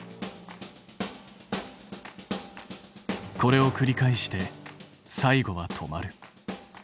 これをくり返して最後は止まる。